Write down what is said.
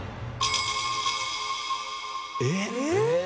えっ？